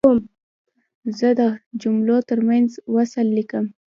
زه د جملو ترمنځ وصل لیکم.